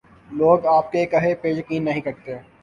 لو گ آپ کے کہے پہ یقین نہیں کرتے۔